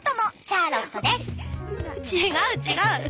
違う違う！